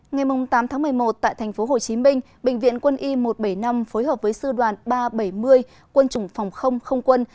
ngày tám tháng một mươi một tại tp hcm bệnh viện quân y một trăm bảy mươi năm phối hợp với sư đoàn ba trăm bảy mươi quân chủng phòng không không quân